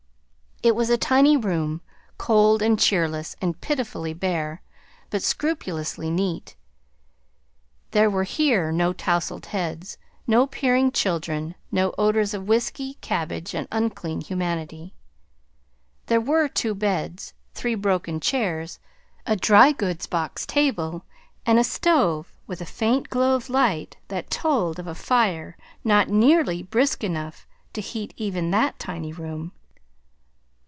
It was a tiny room, cold and cheerless and pitifully bare, but scrupulously neat. There were here no tousled heads, no peering children, no odors of whiskey, cabbage, and unclean humanity. There were two beds, three broken chairs, a dry goods box table, and a stove with a faint glow of light that told of a fire not nearly brisk enough to heat even that tiny room.